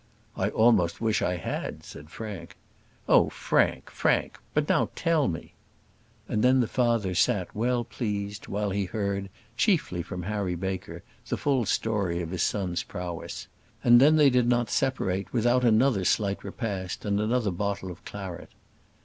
"I almost wish I had," said Frank. "Oh, Frank! Frank! But now tell me " And then the father sat well pleased while he heard, chiefly from Harry Baker, the full story of his son's prowess. And then they did not separate without another slight repast and another bottle of claret.